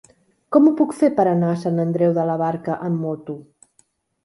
Com ho puc fer per anar a Sant Andreu de la Barca amb moto?